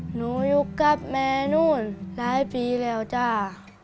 หนูอยู่กับแม่นู้นหลายปีแล้วจ้า